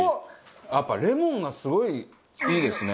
やっぱレモンがすごいいいですね。